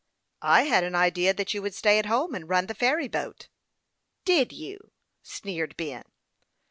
" I had an idea that you would stay at home, and run the ferry boat." " Did you ?" sneered Ben.